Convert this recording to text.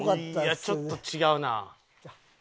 いやちょっと違うな。